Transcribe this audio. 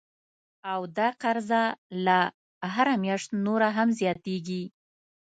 او دا قرضه لا هره میاشت نوره هم زیاتیږي